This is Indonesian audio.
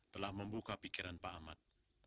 telah membuka pikiran pak ahmad